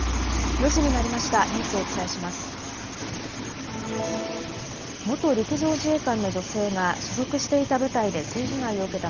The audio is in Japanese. ４時になりました。